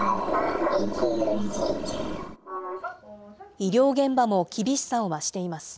医療現場も厳しさを増しています。